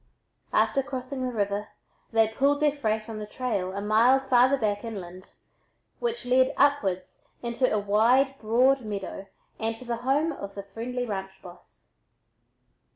After crossing the river they "pulled their freight" on the trail a mile farther back inland, which led upwards into a wide broad meadow and to the home of a friendly ranch boss.